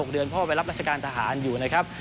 ที่เปิดเข้าไปรับรัชการทหารอยู่นะครับ